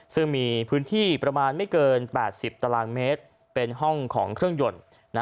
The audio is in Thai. ซึ่งมีพื้นที่ประมาณไม่เกิน๘๐ตารางเมตรเป็นห้องของเครื่องยนต์